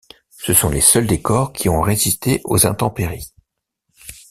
Ce sont les seuls décors qui ont résisté aux intempéries.